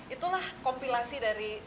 itulah kompilasi dari